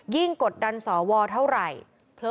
ยิ่งกดดันสอวร์เท่าไหร่